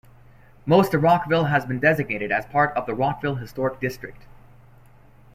Most of Rockville has been designated as part of the Rockville Historic District.